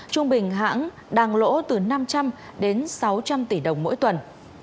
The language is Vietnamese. trung bình hãng đang lỗ từ năm trăm linh đến sáu trăm linh tỷ đồng mỗi tuần